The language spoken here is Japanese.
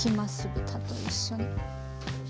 豚と一緒に。